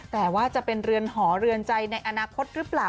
แต่ว่าจะเป็นเรือนหอเรือนใจในอนาคตหรือเปล่า